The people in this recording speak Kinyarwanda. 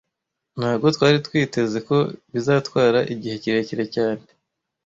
Ntago twari twiteze ko bizatwara igihe kirekire cyane